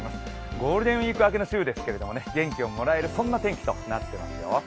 ゴールデンウイーク明けの週ですけれども、元気をもらえる天気となっていますよ。